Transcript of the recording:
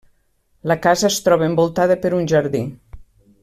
La casa es troba envoltada per un jardí.